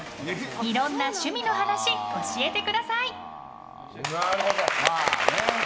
いろんな趣味の話教えてください！